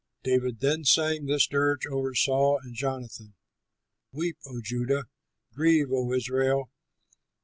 David then sang this dirge over Saul and Jonathan: "Weep, O Judah! Grieve, O Israel!